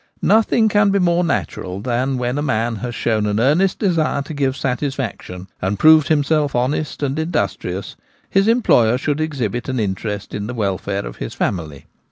Nothing can be more natural than that when a man has shown an earnest desire to give satisfaction and proved himself honest and industrious, his em ployer should exhibit an interest in the welfare of his family.